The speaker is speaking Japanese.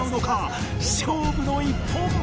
勝負の１本！